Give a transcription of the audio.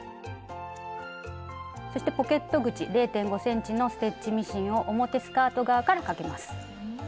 そしてポケット口０．５ｃｍのステッチミシンを表前スカート側からかけます。